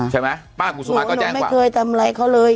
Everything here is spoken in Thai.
ใช่ไหมป้ากุสุมาก็แจ้งกว่าหนูไม่เคยทำไรเขาเลย